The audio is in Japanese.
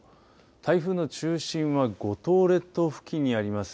台風の中心は五島列島付近にあります。